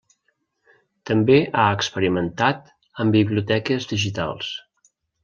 També ha experimentat amb biblioteques digitals.